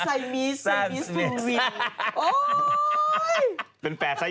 ไซมีเป็นแฝดไซม